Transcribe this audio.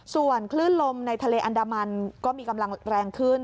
ส่วนคลื่นลมในทะเลอันดามันก็มีกำลังแรงขึ้น